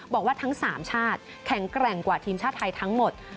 บอกว่าทั้ง๓ชาติแข็งแกร่งกว่าทีมชาติไทยทั้งหมด